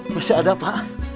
masih ada pak